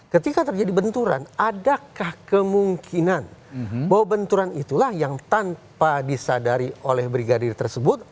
ketika terjadi benturan adakah kemungkinan bahwa benturan itulah yang tanpa disadari oleh brigadir tersebut